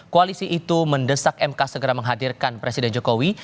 koalisi itu mendesak mk segera menghadirkan presiden jokowi